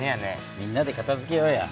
みんなでかたづけようや。